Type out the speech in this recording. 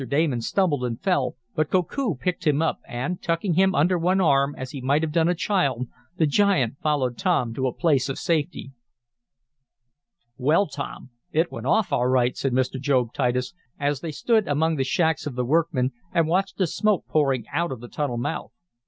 Damon stumbled and fell, but Koku picked him up and, tucking him under one arm, as he might have done a child, the giant followed Tom to a place of safety. "Well, Tom, it went off all right," said Mr. Job Titus, as they stood among the shacks of the workmen and watched the smoke pouring out of the tunnel mouth.